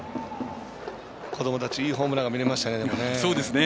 子どもたちいいホームラン見られましたね。